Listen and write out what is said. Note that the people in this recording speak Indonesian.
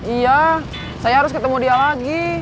iya saya harus ketemu dia lagi